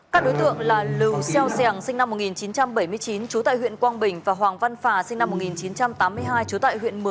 các đối tượng là lưu xeo giàng sinh năm một nghìn chín trăm bảy mươi chín trú tại huyện quang bình và hoàng văn phà sinh năm một nghìn chín trăm tám mươi hai